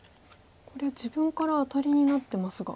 これ自分からアタリになってますが。